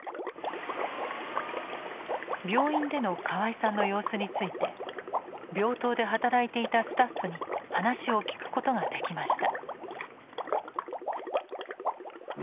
病院での河合さんの様子について病棟で働いていたスタッフに話を聞くことができました。